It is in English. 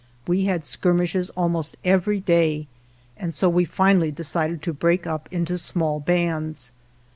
We had skirmishes almost every day, and so we finally decided to break up into small bands.